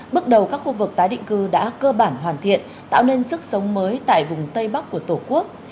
bước đầu các khu vực tái định cư đã cơ bản hoàn thiện tạo nên sức sống mới tại vùng tây bắc của tổ quốc